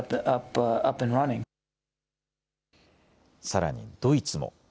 さらにドイツも。